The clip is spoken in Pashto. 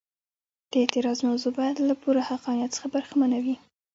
د اعتراض موضوع باید له پوره حقانیت څخه برخمنه وي.